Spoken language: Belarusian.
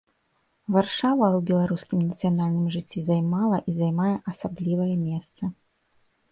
Варшава ў беларускім нацыянальным жыцці займала і займае асаблівае месца.